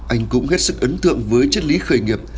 anh cũng hết sức ấn tượng với chất lý khởi nghiệp